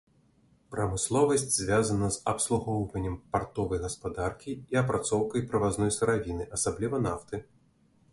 Прамысловасць звязана з абслугоўваннем партовай гаспадаркі і апрацоўкай прывазной сыравіны, асабліва нафты.